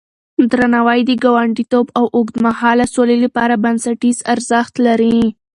درناوی د ګاونډيتوب او اوږدمهاله سولې لپاره بنسټيز ارزښت لري.